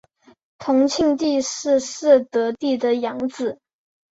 同庆帝是嗣德帝的养子。